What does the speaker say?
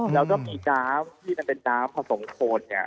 แล้วมีน้ำที่มันเป็นน้ำผสมโคครับ